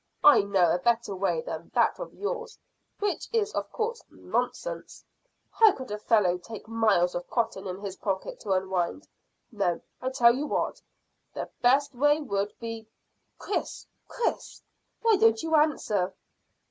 "I know a better way than that of yours, which is of course nonsense. How could a fellow take miles of cotton in his pocket to unwind! No: I tell you what! The best way would be Chris! Chris! Why don't you answer?